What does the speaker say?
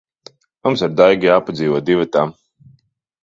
Mums ar Daigu jāpadzīvo divatā.